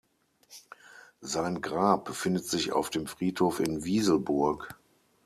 Sein Grab befindet sich auf dem Friedhof in Wieselburg.